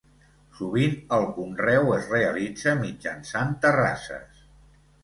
Sovint el conreu es realitza mitjançant terrasses.